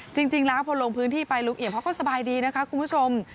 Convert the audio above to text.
จริงแล้วพอลงพื้นที่ไปลุงเอี่ยมเขาก็สบายดีนะคะคุณผู้ชม